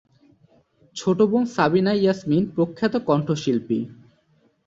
ছোট বোন সাবিনা ইয়াসমিন প্রখ্যাত কণ্ঠশিল্পী।